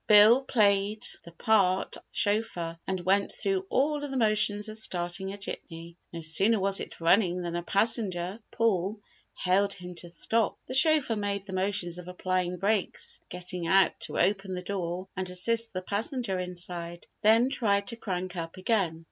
Bill played the part of chauffeur and went through all of the motions of starting a jitney. No sooner was it running than a passenger (Paul) hailed him to stop. The chauffeur made the motions of applying brakes, getting out to open the door and assist the passenger inside, then tried to crank up again.